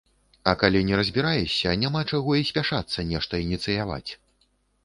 А калі не разбіраешся, няма чаго і спяшацца нешта ініцыяваць.